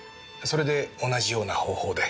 それで同じような方法で。